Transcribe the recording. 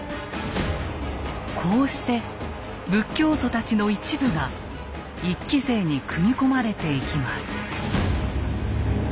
こうして仏教徒たちの一部が一揆勢に組み込まれていきます。